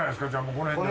この辺の。